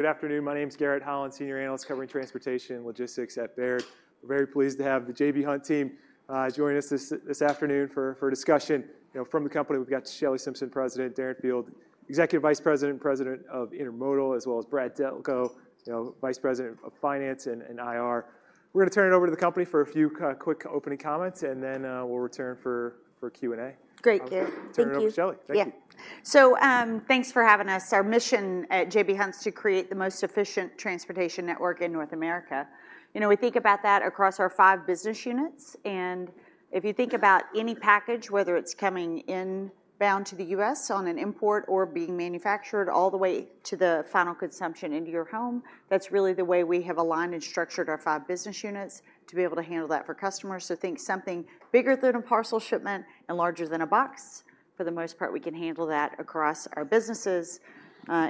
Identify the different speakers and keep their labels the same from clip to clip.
Speaker 1: Good afternoon. My name is Garrett Holland, senior analyst covering transportation and logistics at Baird. We're very pleased to have the J.B. Hunt team joining us this afternoon for a discussion. You know, from the company, we've got Shelley Simpson, President, Darren Field, Executive Vice President, President of Intermodal, as well as Brad Delco, you know, Vice President of Finance and IR. We're going to turn it over to the company for a few quick opening comments, and then we'll return for Q&A.
Speaker 2: Great, Garrett. Thank you.
Speaker 1: Turn it over to Shelley. Thank you.
Speaker 2: Yeah. So, thanks for having us. Our mission at J.B. Hunt is to create the most efficient transportation network in North America. You know, we think about that across our 5 business units, and if you think about any package, whether it's coming inbound to the U.S. on an import or being manufactured all the way to the final consumption into your home, that's really the way we have aligned and structured our 5 business units to be able to handle that for customers. So think something bigger than a parcel shipment and larger than a box. For the most part, we can handle that across our businesses,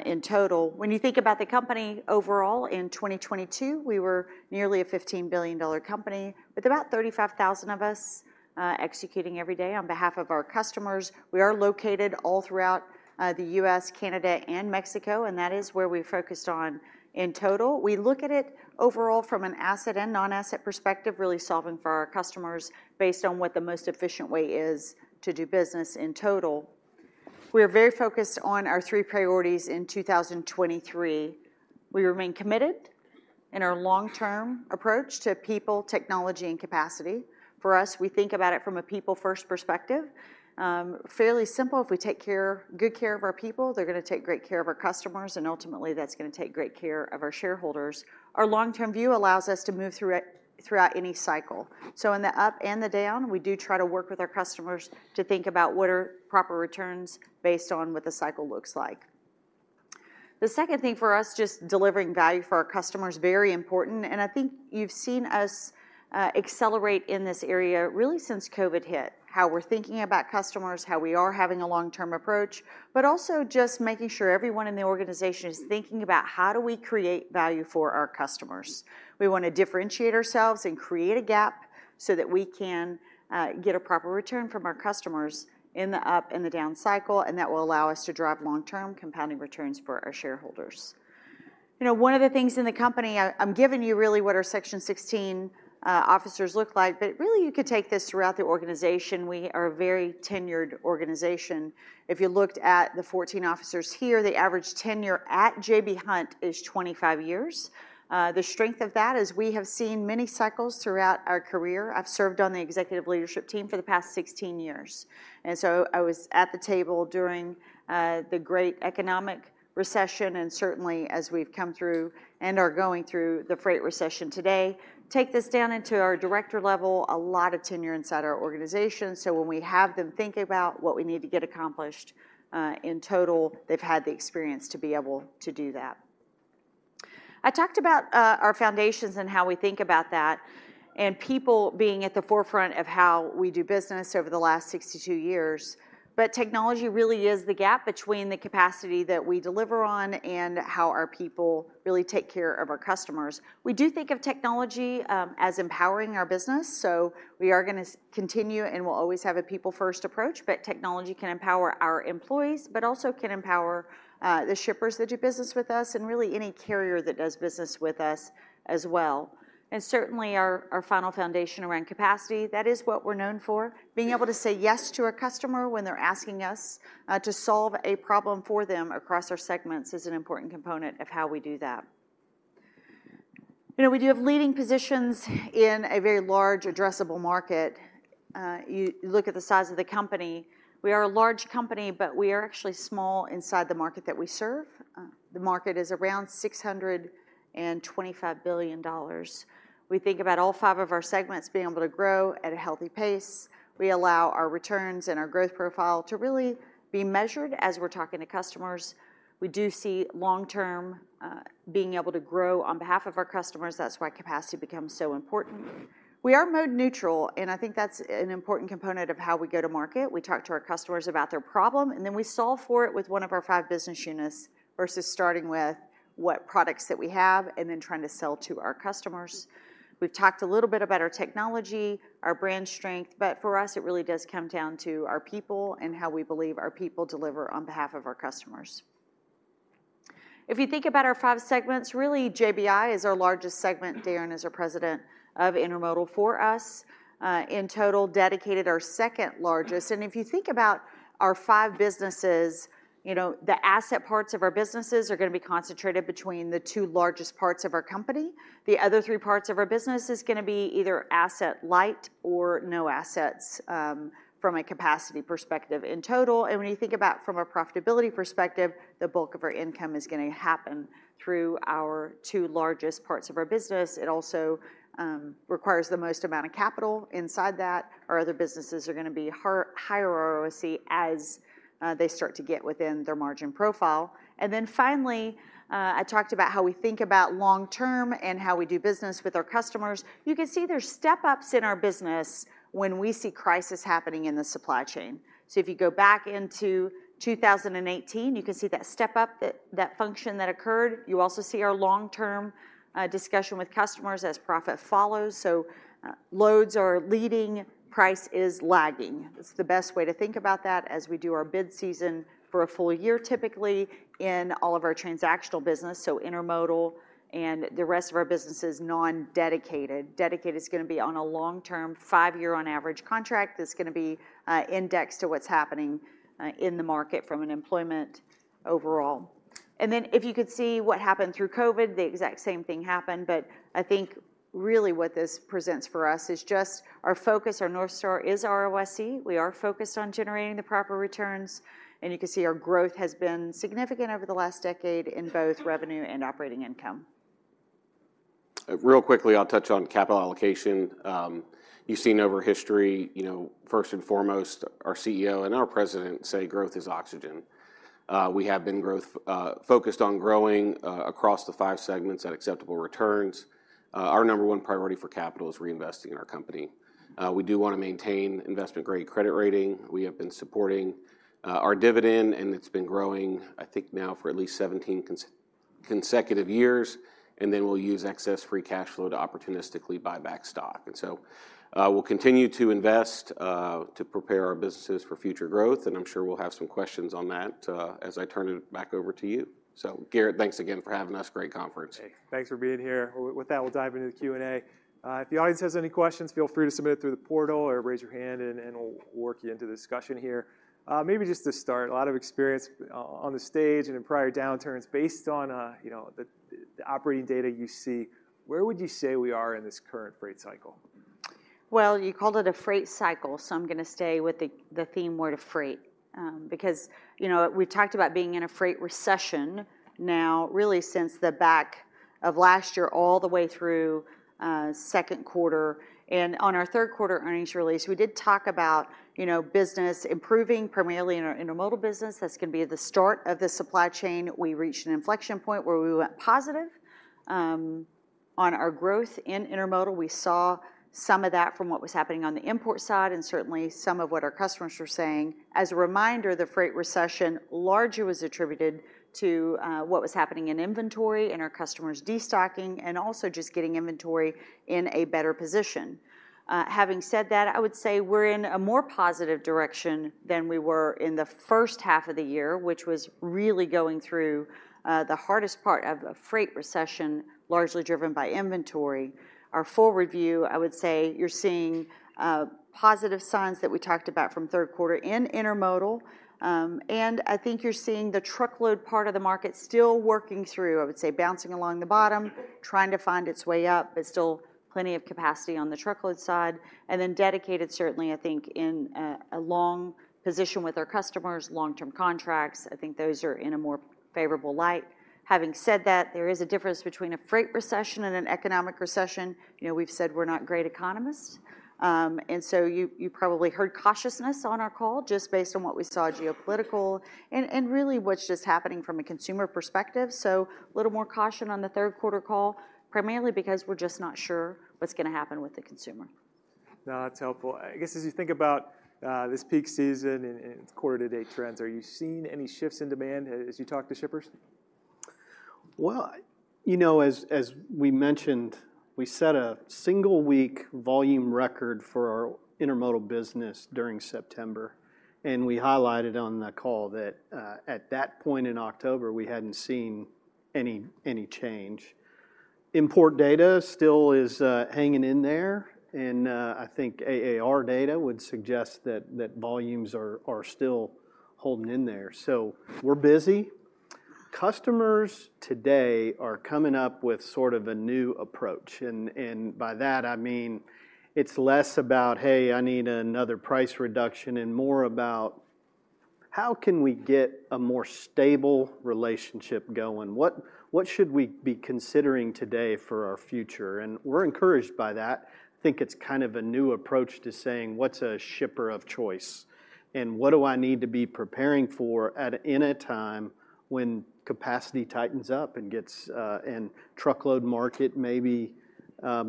Speaker 2: in total. When you think about the company overall, in 2022, we were nearly a $15 billion-dollar company, with about 35,000 of us, executing every day on behalf of our customers. We are located all throughout the U.S., Canada, and Mexico, and that is where we focused on in total. We look at it overall from an asset and non-asset perspective, really solving for our customers based on what the most efficient way is to do business in total. We are very focused on our three priorities in 2023. We remain committed in our long-term approach to people, technology, and capacity. For us, we think about it from a people-first perspective. Fairly simple. If we take good care of our people, they're going to take great care of our customers, and ultimately, that's going to take great care of our shareholders. Our long-term view allows us to move through it throughout any cycle. So in the up and the down, we do try to work with our customers to think about what are proper returns based on what the cycle looks like. The second thing for us, just delivering value for our customers, very important, and I think you've seen us, accelerate in this area really since COVID hit, how we're thinking about customers, how we are having a long-term approach, but also just making sure everyone in the organization is thinking about: how do we create value for our customers? We want to differentiate ourselves and create a gap so that we can, get a proper return from our customers in the up and the down cycle, and that will allow us to drive long-term compounding returns for our shareholders. You know, one of the things in the company, I'm giving you really what our Section 16 officers look like, but really, you could take this throughout the organization. We are a very tenured organization. If you looked at the 14 officers here, the average tenure at J.B. Hunt is 25 years. The strength of that is we have seen many cycles throughout our career. I've served on the executive leadership team for the past 16 years, and so I was at the table during the great economic recession, and certainly as we've come through and are going through the freight recession today. Take this down into our director level, a lot of tenure inside our organization. So when we have them think about what we need to get accomplished, in total, they've had the experience to be able to do that. I talked about our foundations and how we think about that, and people being at the forefront of how we do business over the last 62 years. But technology really is the gap between the capacity that we deliver on and how our people really take care of our customers. We do think of technology as empowering our business, so we are going to continue, and we'll always have a people-first approach, but technology can empower our employees, but also can empower the shippers that do business with us and really any carrier that does business with us as well. And certainly our final foundation around capacity, that is what we're known for. Being able to say yes to a customer when they're asking us to solve a problem for them across our segments is an important component of how we do that. You know, we do have leading positions in a very large addressable market. You look at the size of the company, we are a large company, but we are actually small inside the market that we serve. The market is around $625 billion. We think about all five of our segments being able to grow at a healthy pace. We allow our returns and our growth profile to really be measured as we're talking to customers. We do see long term, being able to grow on behalf of our customers. That's why capacity becomes so important. We are mode neutral, and I think that's an important component of how we go to market. We talk to our customers about their problem, and then we solve for it with one of our five business units versus starting with what products that we have and then trying to sell to our customers. We've talked a little bit about our technology, our brand strength, but for us, it really does come down to our people and how we believe our people deliver on behalf of our customers. If you think about our five segments, really, JBI is our largest segment. Darren is our President of Intermodal. For us, in total, Dedicated our second largest, and if you think about our five businesses, you know, the asset parts of our businesses are going to be concentrated between the two largest parts of our company. The other three parts of our business is going to be either asset light or no assets, from a capacity perspective in total. When you think about from a profitability perspective, the bulk of our income is going to happen through our two largest parts of our business. It also requires the most amount of capital inside that. Our other businesses are going to be higher ROIC as they start to get within their margin profile. Then finally, I talked about how we think about long term and how we do business with our customers. You can see there's step-ups in our business when we see crisis happening in the supply chain. So if you go back into 2018, you can see that step up, that function that occurred. You also see our long-term discussion with customers as profit follows. So, loads are leading, price is lagging. It's the best way to think about that as we do our bid season for a full year, typically in all of our transactional business, so intermodal and the rest of our business is non-Dedicated. Dedicated is going to be on a long-term, five-year on average contract that's going to be indexed to what's happening in the market from an employment overall. And then if you could see what happened through COVID, the exact same thing happened. But I think really what this presents for us is just our focus, our North Star is ROIC. We are focused on generating the proper returns, and you can see our growth has been significant over the last decade in both revenue and operating income.
Speaker 3: Real quickly, I'll touch on capital allocation. You've seen over history, you know, first and foremost, our CEO and our president say, "Growth is oxygen." We have been growth focused on growing across the 5 segments at acceptable returns. Our number one priority for capital is reinvesting in our company. We do wanna maintain investment-grade credit rating. We have been supporting our dividend, and it's been growing, I think, now for at least 17 consecutive years, and then we'll use excess free cash flow to opportunistically buy back stock. So, we'll continue to invest to prepare our businesses for future growth, and I'm sure we'll have some questions on that as I turn it back over to you. So, Garrett, thanks again for having us. Great conference.
Speaker 1: Hey, thanks for being here. With that, we'll dive into the Q&A. If the audience has any questions, feel free to submit it through the portal or raise your hand, and we'll work you into the discussion here. Maybe just to start, a lot of experience on the stage and in prior downturns, based on, you know, the operating data you see, where would you say we are in this current freight cycle?
Speaker 2: Well, you called it a freight cycle, so I'm gonna stay with the theme word of freight. Because, you know, we've talked about being in a freight recession now, really since the back of last year, all the way through second quarter. And on our third quarter earnings release, we did talk about, you know, business improving, primarily in our intermodal business. That's gonna be the start of the supply chain. We reached an inflection point where we went positive on our growth in intermodal. We saw some of that from what was happening on the import side and certainly some of what our customers were saying. As a reminder, the freight recession largely was attributed to what was happening in inventory and our customers destocking, and also just getting inventory in a better position. Having said that, I would say we're in a more positive direction than we were in the first half of the year, which was really going through the hardest part of a freight recession, largely driven by inventory. Our full review, I would say, you're seeing positive signs that we talked about from third quarter in intermodal, and I think you're seeing the truckload part of the market still working through, I would say, bouncing along the bottom, trying to find its way up, but still plenty of capacity on the truckload side. And then Dedicated, certainly, I think, in a long position with our customers, long-term contracts, I think those are in a more favorable light. Having said that, there is a difference between a freight recession and an economic recession. You know, we've said we're not great economists, and so you probably heard cautiousness on our call, just based on what we saw geopolitical and really what's just happening from a consumer perspective. So a little more caution on the third quarter call, primarily because we're just not sure what's gonna happen with the consumer.
Speaker 1: No, that's helpful. I guess, as you think about, this peak season and quarter-to-date trends, are you seeing any shifts in demand as you talk to shippers?
Speaker 3: Well, you know, as we mentioned, we set a single week volume record for our intermodal business during September, and we highlighted on that call that at that point in October, we hadn't seen any change. Import data still is hanging in there, and I think AAR data would suggest that volumes are still holding in there, so we're busy. Customers today are coming up with sort of a new approach, and by that I mean it's less about, "Hey, I need another price reduction," and more about, "How can we get a more stable relationship going? What should we be considering today for our future?" And we're encouraged by that. I think it's kind of a new approach to saying, "What's a shipper of choice, and what do I need to be preparing for in a time when capacity tightens up and gets, and truckload market maybe,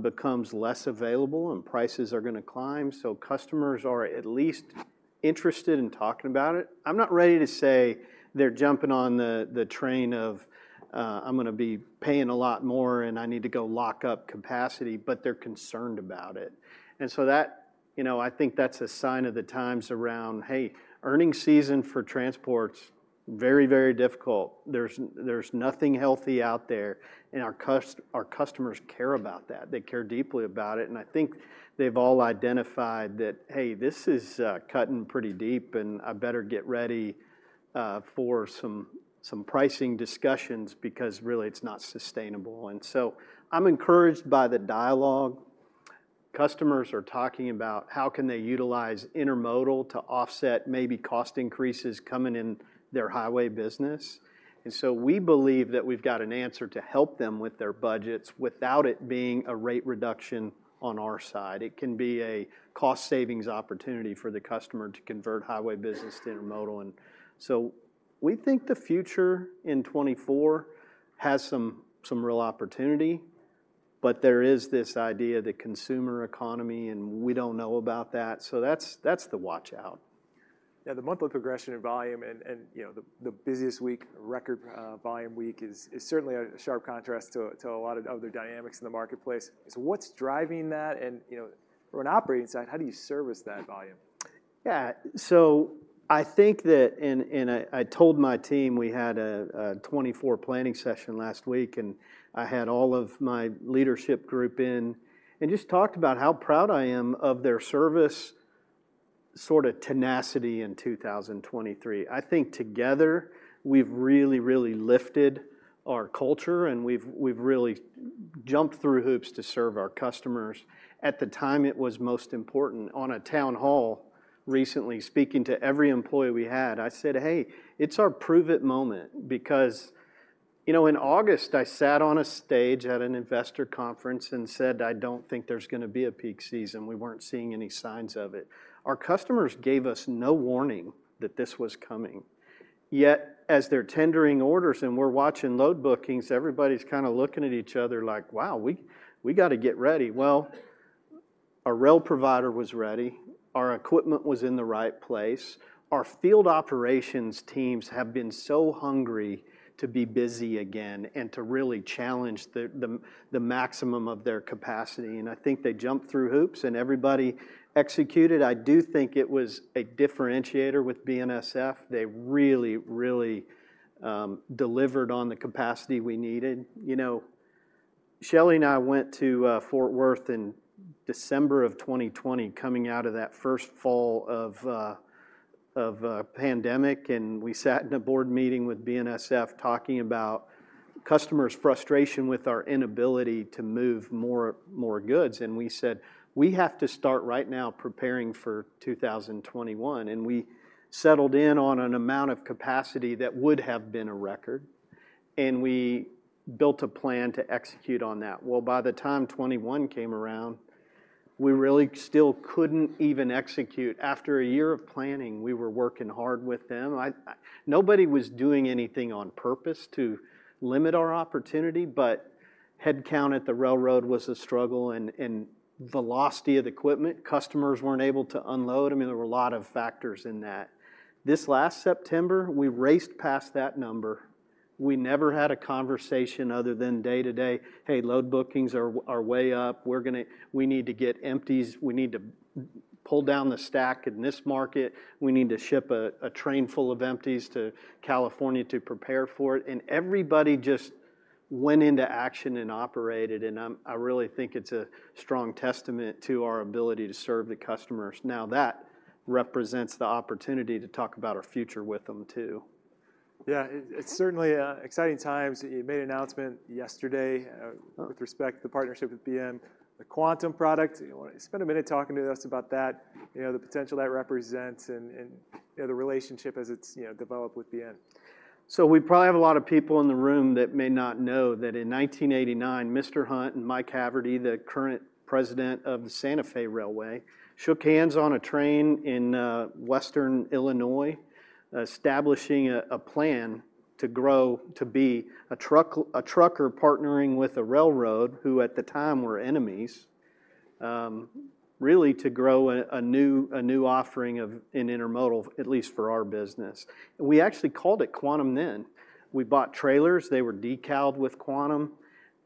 Speaker 3: becomes less available and prices are gonna climb?" So customers are at least interested in talking about it. I'm not ready to say they're jumping on the, the train of, "I'm gonna be paying a lot more, and I need to go lock up capacity," but they're concerned about it. And so that, you know, I think that's a sign of the times around, hey, earnings season for transport's very, very difficult. There's, there's nothing healthy out there, and our cust- our customers care about that. They care deeply about it, and I think they've all identified that, hey, this is cutting pretty deep, and I better get ready for some pricing discussions because really it's not sustainable. And so I'm encouraged by the dialogue. Customers are talking about how can they utilize intermodal to offset maybe cost increases coming in their highway business. And so we believe that we've got an answer to help them with their budgets, without it being a rate reduction on our side. It can be a cost savings opportunity for the customer to convert highway business to intermodal. And so we think the future in 2024 has some real opportunity, but there is this idea, the consumer economy, and we don't know about that. So that's the watch-out.
Speaker 1: Yeah, the monthly progression and volume and, and, you know, the, the busiest week, record, volume week is, is certainly a, a sharp contrast to, to a lot of other dynamics in the marketplace. So what's driving that? And, you know, from an operating side, how do you service that volume?
Speaker 3: Yeah. So I think that. And I told my team we had a 2024 planning session last week, and I had all of my leadership group in, and just talked about how proud I am of their service, sort of tenacity in 2023. I think together, we've really, really lifted our culture, and we've really jumped through hoops to serve our customers at the time it was most important. On a town hall recently, speaking to every employee we had, I said, "Hey, it's our prove it moment." Because, you know, in August, I sat on a stage at an investor conference and said, "I don't think there's gonna be a peak season." We weren't seeing any signs of it. Our customers gave us no warning that this was coming. Yet, as they're tendering orders and we're watching load bookings, everybody's kinda looking at each other like, "Wow, we got to get ready." Well, our rail provider was ready, our equipment was in the right place. Our field operations teams have been so hungry to be busy again and to really challenge the maximum of their capacity, and I think they jumped through hoops, and everybody executed. I do think it was a differentiator with BNSF. They really, really, delivered on the capacity we needed. You know, Shelley and I went to Fort Worth in December of 2020, coming out of that first fall of pandemic, and we sat in a board meeting with BNSF, talking about customers' frustration with our inability to move more, more goods. And we said, "We have to start right now preparing for 2021." We settled in on an amount of capacity that would have been a record, and we built a plan to execute on that. Well, by the time 2021 came around, we really still couldn't even execute. After a year of planning, we were working hard with them. I, nobody was doing anything on purpose to limit our opportunity, but headcount at the railroad was a struggle, and velocity of the equipment, customers weren't able to unload. I mean, there were a lot of factors in that. This last September, we raced past that number. We never had a conversation other than day-to-day, "Hey, load bookings are way up. We're gonna. We need to get empties. We need to pull down the stack in this market. “We need to ship a train full of empties to California to prepare for it.” Everybody just went into action and operated, and I really think it's a strong testament to our ability to serve the customers. Now, that represents the opportunity to talk about our future with them, too.
Speaker 1: Yeah, it's certainly exciting times. You made an announcement yesterday- With respect to the partnership with BNSF, the Quantum product. You wanna spend a minute talking to us about that, you know, the potential that represents and, you know, the relationship as it's, you know, developed with BNSF?
Speaker 3: So we probably have a lot of people in the room that may not know that in 1989, Mr. Hunt and Mike Haverty, the current President of the Santa Fe Railway, shook hands on a train in western Illinois, establishing a plan to grow to be a trucker partnering with a railroad, who, at the time, were enemies, really to grow a new offering of an intermodal, at least for our business. We actually called it Quantum then. We bought trailers. They were decaled with Quantum.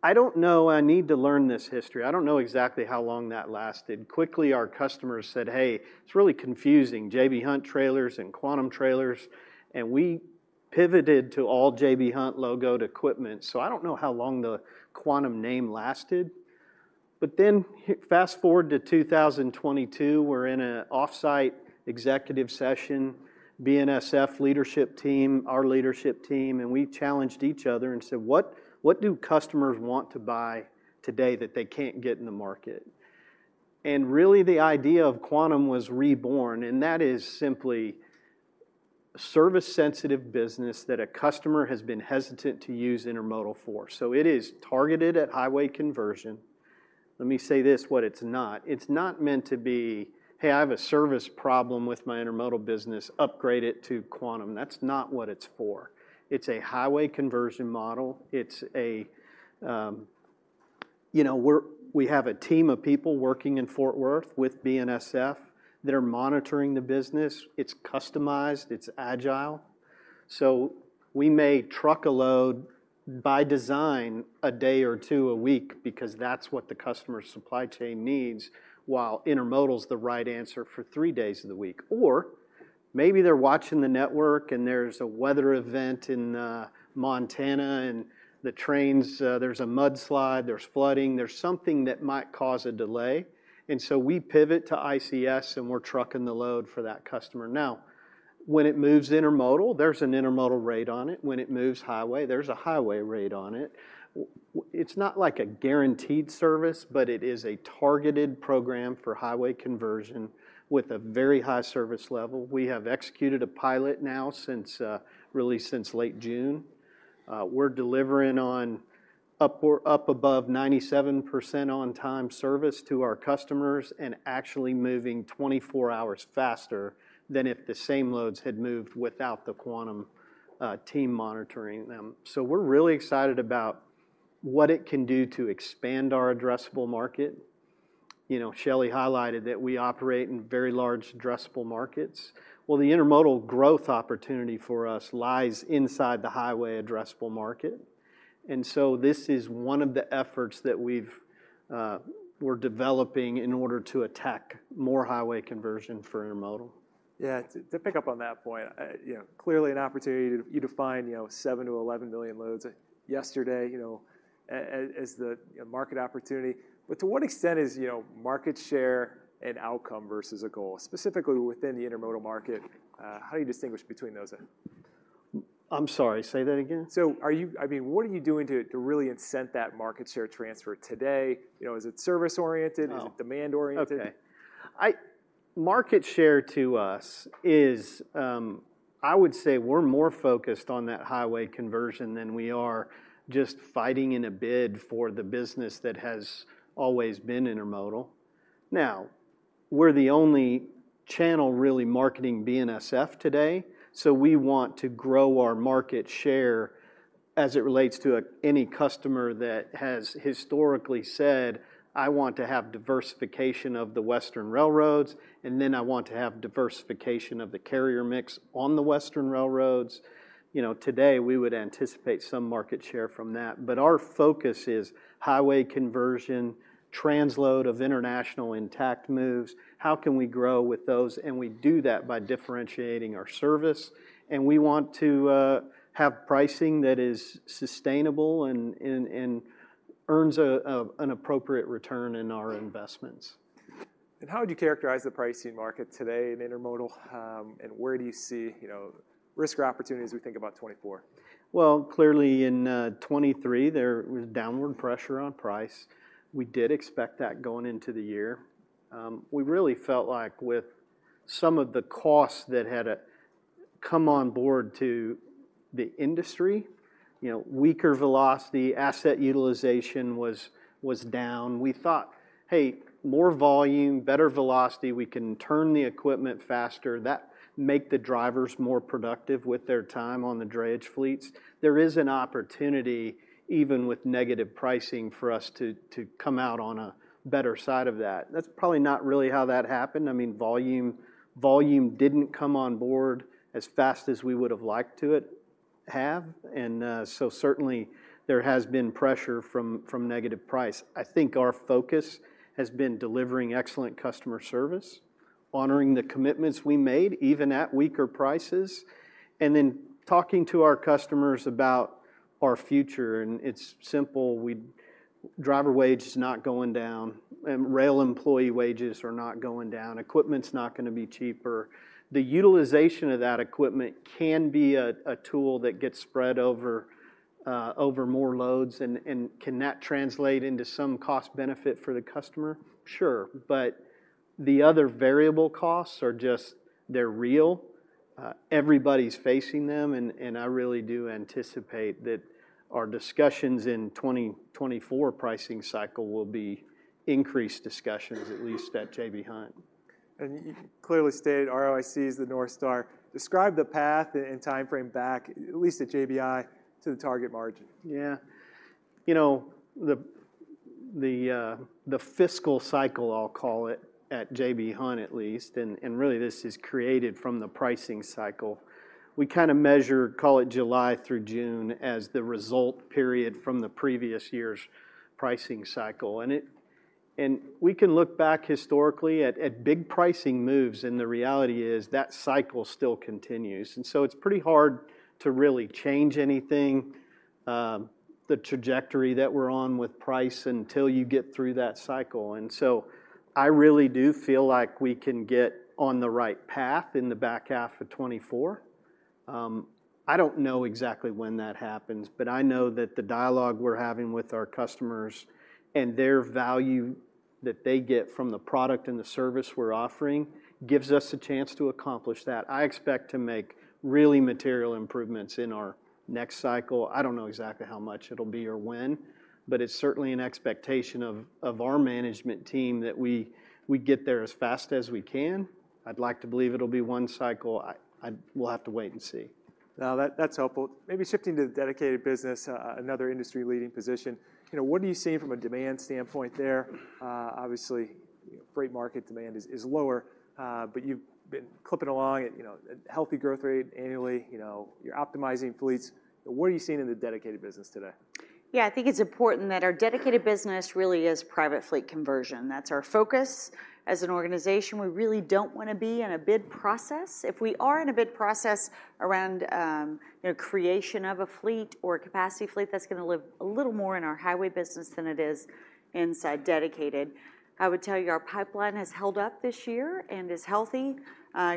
Speaker 3: I don't know... I need to learn this history. I don't know exactly how long that lasted. Quickly, our customers said, "Hey, it's really confusing, J.B. Hunt trailers and Quantum trailers," and we pivoted to all J.B. Hunt logoed equipment, so I don't know how long the Quantum name lasted. But then fast-forward to 2022, we're in an off-site executive session, BNSF leadership team, our leadership team, and we challenged each other and said, "What, what do customers want to buy today that they can't get in the market?" And really, the idea of Quantum was reborn, and that is simply service-sensitive business that a customer has been hesitant to use intermodal for. So it is targeted at highway conversion. Let me say this, what it's not: it's not meant to be, "Hey, I have a service problem with my intermodal business, upgrade it to Quantum." That's not what it's for. It's a highway conversion model. It's a... You know, we have a team of people working in Fort Worth with BNSF that are monitoring the business. It's customized, it's agile. So we may truck a load by design a day or two a week because that's what the customer's supply chain needs, while intermodal's the right answer for three days of the week. Or maybe they're watching the network, and there's a weather event in Montana, and the trains, there's a mudslide, there's flooding, there's something that might cause a delay, and so we pivot to ICS, and we're trucking the load for that customer. Now, when it moves intermodal, there's an intermodal rate on it. When it moves highway, there's a highway rate on it. It's not like a guaranteed service, but it is a targeted program for highway conversion with a very high service level. We have executed a pilot now, since really since late June. We're delivering on up or up above 97% on-time service to our customers and actually moving 24 hours faster than if the same loads had moved without the Quantum team monitoring them. So we're really excited about what it can do to expand our addressable market. You know, Shelley highlighted that we operate in very large addressable markets. Well, the intermodal growth opportunity for us lies inside the highway addressable market, and so this is one of the efforts that we've, we're developing in order to attack more highway conversion for intermodal.
Speaker 1: Yeah, to pick up on that point, you know, clearly an opportunity to, you define, you know, 7-11 million loads yesterday, you know, as the, you know, market opportunity. But to what extent is, you know, market share an outcome versus a goal? Specifically within the intermodal market, how do you distinguish between those then?
Speaker 3: I'm sorry, say that again.
Speaker 1: So are you, I mean, what are you doing to really incent that market share transfer today? You know, is it service-oriented?
Speaker 3: Oh.
Speaker 1: Is it demand-oriented?
Speaker 3: Okay. Market share to us is, I would say we're more focused on that highway conversion than we are just fighting in a bid for the business that has always been intermodal. Now, we're the only channel really marketing BNSF today, so we want to grow our market share as it relates to any customer that has historically said, "I want to have diversification of the western railroads, and then I want to have diversification of the carrier mix on the western railroads." You know, today, we would anticipate some market share from that. But our focus is highway conversion, transload of international intact moves. How can we grow with those? And we do that by differentiating our service, and we want to have pricing that is sustainable and earns an appropriate return in our investments.
Speaker 1: How would you characterize the pricing market today in intermodal, and where do you see, you know, risk or opportunities we think about 2024?
Speaker 3: Well, clearly in 2023, there was downward pressure on price. We did expect that going into the year. We really felt like with some of the costs that had come on board to the industry, you know, weaker velocity, asset utilization was down. We thought, "Hey, more volume, better velocity, we can turn the equipment faster, that make the drivers more productive with their time on the drayage fleets." There is an opportunity, even with negative pricing, for us to come out on a better side of that. That's probably not really how that happened. I mean, volume, volume didn't come on board as fast as we would have liked to it have, and so certainly there has been pressure from negative price. I think our focus has been delivering excellent customer service, honoring the commitments we made, even at weaker prices, and then talking to our customers about our future, and it's simple: driver wage is not going down, and rail employee wages are not going down. Equipment's not gonna be cheaper. The utilization of that equipment can be a tool that gets spread over more loads, and can that translate into some cost benefit for the customer? Sure, but the other variable costs are just... They're real, everybody's facing them, and I really do anticipate that our discussions in 2024 pricing cycle will be increased discussions, at least at J.B. Hunt.
Speaker 1: You clearly stated ROIC is the North Star. Describe the path and timeframe back, at least at JBI, to the target margin.
Speaker 3: Yeah. You know, the fiscal cycle, I'll call it, at J.B. Hunt, at least, and really, this is created from the pricing cycle. We kinda measure, call it July through June, as the result period from the previous year's pricing cycle. And we can look back historically at big pricing moves, and the reality is that cycle still continues, and so it's pretty hard to really change anything, the trajectory that we're on with price until you get through that cycle. And so I really do feel like we can get on the right path in the back half of 2024. I don't know exactly when that happens, but I know that the dialogue we're having with our customers and their value that they get from the product and the service we're offering, gives us a chance to accomplish that. I expect to make really material improvements in our next cycle. I don't know exactly how much it'll be or when, but it's certainly an expectation of our management team that we get there as fast as we can. I'd like to believe it'll be one cycle. We'll have to wait and see.
Speaker 1: Now, that's helpful. Maybe shifting to the Dedicated business, another industry-leading position. You know, what are you seeing from a demand standpoint there? Obviously, freight market demand is lower, but you've been clipping along at, you know, a healthy growth rate annually. You know, you're optimizing fleets. What are you seeing in the Dedicated business today?
Speaker 2: Yeah, I think it's important that our Dedicated business really is private fleet conversion. That's our focus. As an organization, we really don't wanna be in a bid process. If we are in a bid process around, you know, creation of a fleet or capacity fleet, that's gonna live a little more in our highway business than it is inside Dedicated. I would tell you, our pipeline has held up this year and is healthy.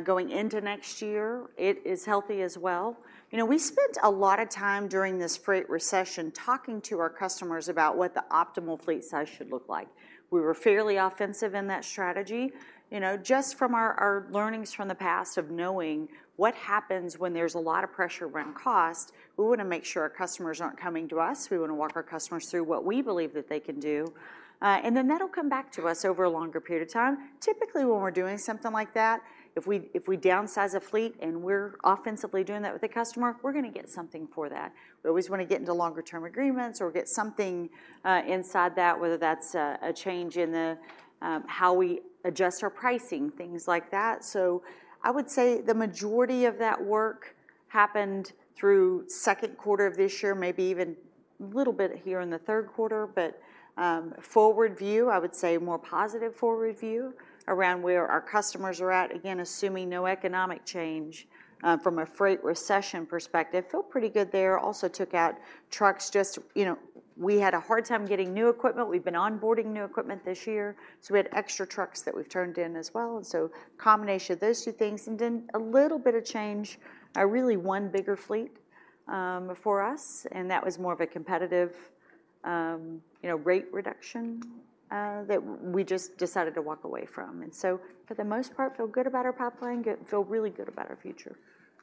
Speaker 2: Going into next year, it is healthy as well. You know, we spent a lot of time during this freight recession talking to our customers about what the optimal fleet size should look like. We were fairly offensive in that strategy, you know, just from our, our learnings from the past of knowing what happens when there's a lot of pressure around cost. We wanna make sure our customers aren't coming to us. We wanna walk our customers through what we believe that they can do, and then that'll come back to us over a longer period of time. Typically, when we're doing something like that, if we, if we downsize a fleet and we're offensively doing that with a customer, we're gonna get something for that. We always wanna get into longer term agreements or get something inside that, whether that's a change in the how we adjust our pricing, things like that. So I would say the majority of that work happened through second quarter of this year, maybe even a little bit here in the third quarter, but forward view, I would say more positive forward view around where our customers are at. Again, assuming no economic change from a freight recession perspective, feel pretty good there. Also took out trucks just, you know, we had a hard time getting new equipment. We've been onboarding new equipment this year, so we had extra trucks that we've turned in as well, and so combination of those two things, and then a little bit of change, really one bigger fleet for us, and that was more of a competitive, you know, rate reduction that we just decided to walk away from. And so for the most part, feel good about our pipeline, feel really good about our future.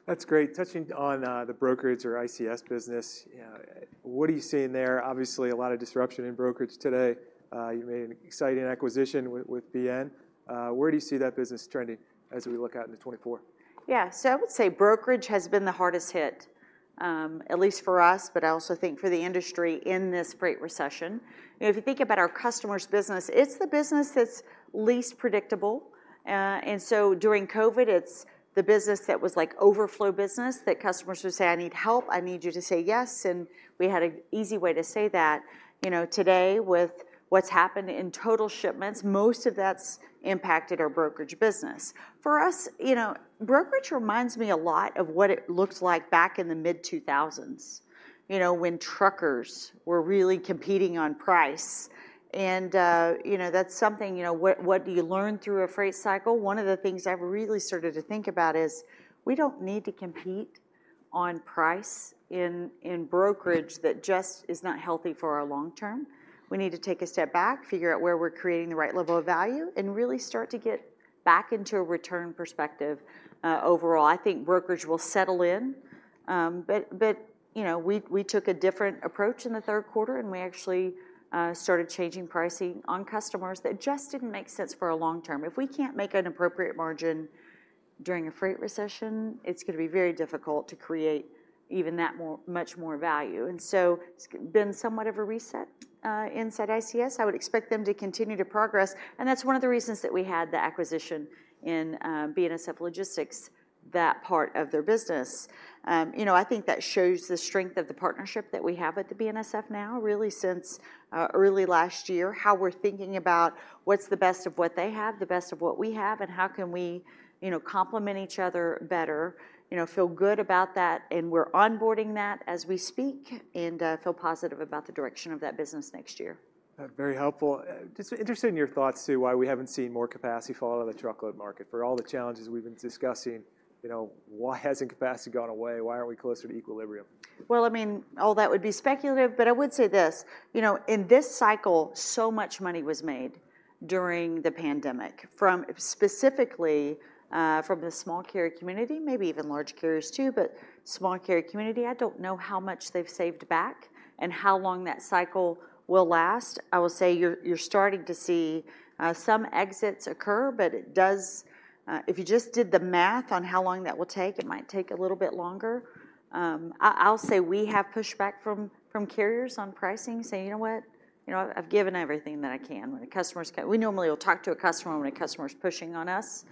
Speaker 1: That's great. Touching on the brokerage or ICS business, you know, what are you seeing there? Obviously, a lot of disruption in brokerage today. You made an exciting acquisition with BN. Where do you see that business trending as we look out into 2024?
Speaker 2: Yeah. So I would say brokerage has been the hardest hit, at least for us, but I also think for the industry in this freight recession. If you think about our customer's business, it's the business that's least predictable. And so during COVID, it's the business that was like overflow business, that customers would say: "I need help. I need you to say yes." And we had an easy way to say that. You know, today, with what's happened in total shipments, most of that's impacted our brokerage business. For us, you know, brokerage reminds me a lot of what it looked like back in the mid-2000s, you know, when truckers were really competing on price. And, you know, that's something, you know, what do you learn through a freight cycle? One of the things I've really started to think about is, we don't need to compete on price in brokerage. That just is not healthy for our long term. We need to take a step back, figure out where we're creating the right level of value, and really start to get back into a return perspective. Overall, I think brokerage will settle in. But you know, we took a different approach in the third quarter, and we actually started changing pricing on customers that just didn't make sense for our long term. If we can't make an appropriate margin during a freight recession, it's gonna be very difficult to create even that more, much more value. And so it's been somewhat of a reset inside ICS. I would expect them to continue to progress, and that's one of the reasons that we had the acquisition in BNSF Logistics, that part of their business. You know, I think that shows the strength of the partnership that we have at the BNSF now, really since early last year, how we're thinking about what's the best of what they have, the best of what we have, and how can we, you know, complement each other better. You know, feel good about that, and we're onboarding that as we speak, and feel positive about the direction of that business next year.
Speaker 1: Very helpful. Just interested in your thoughts too, why we haven't seen more capacity fall out of the truckload market. For all the challenges we've been discussing, you know, why hasn't capacity gone away? Why aren't we closer to equilibrium?
Speaker 2: Well, I mean, all that would be speculative, but I would say this, you know, in this cycle, so much money was made during the pandemic, from specifically, from the small carrier community, maybe even large carriers too, but small carrier community, I don't know how much they've saved back and how long that cycle will last. I will say you're starting to see, some exits occur, but it does, if you just did the math on how long that will take, it might take a little bit longer. I, I'll say we have pushback from, from carriers on pricing, saying: "You know what? You know, I've given everything that I can." When the customers we normally will talk to a customer when a customer is pushing on us.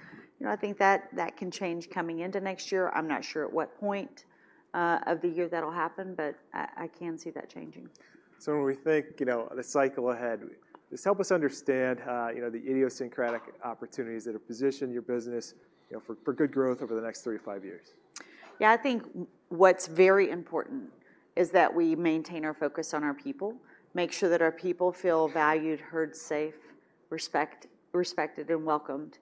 Speaker 2: You know, I think that can change coming into next year. I'm not sure at what point of the year that'll happen, but I can see that changing.
Speaker 1: When we think, you know, the cycle ahead, just help us understand, you know, the idiosyncratic opportunities that have positioned your business, you know, for good growth over the next 3-5 years?
Speaker 2: Yeah, I think what's very important is that we maintain our focus on our people, make sure that our people feel valued, heard, safe, respected, and welcomed.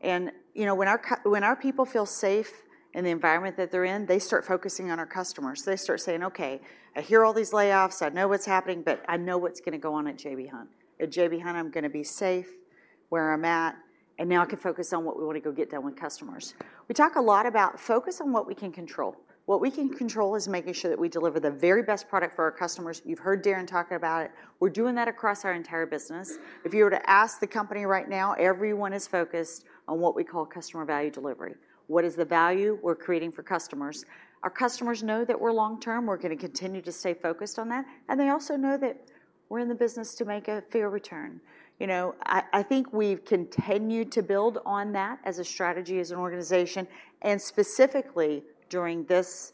Speaker 2: And, you know, when our people feel safe in the environment that they're in, they start focusing on our customers. They start saying: "Okay, I hear all these layoffs. I know what's happening, but I know what's gonna go on at J.B. Hunt. At J.B. Hunt, I'm gonna be safe where I'm at, and now I can focus on what we want to go get done with customers." We talk a lot about focus on what we can control. What we can control is making sure that we deliver the very best product for our customers. You've heard Darren talk about it. We're doing that across our entire business. If you were to ask the company right now, everyone is focused on what we call Customer Value Delivery. What is the value we're creating for customers? Our customers know that we're long term, we're gonna continue to stay focused on that, and they also know that we're in the business to make a fair return. You know, I think we've continued to build on that as a strategy, as an organization, and specifically during this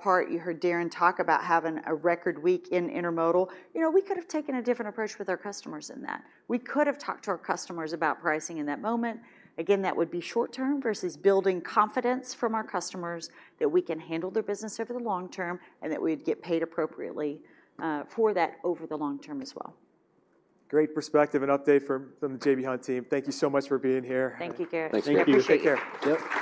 Speaker 2: part, you heard Darren talk about having a record week in intermodal. You know, we could have taken a different approach with our customers in that. We could have talked to our customers about pricing in that moment. Again, that would be short term versus building confidence from our customers that we can handle their business over the long term, and that we'd get paid appropriately, for that over the long term as well.
Speaker 1: Great perspective and update from the J.B. Hunt team. Thank you so much for being here.
Speaker 2: Thank you, Garrett.
Speaker 1: Thank you.
Speaker 2: Appreciate it.
Speaker 1: Take care. Yep.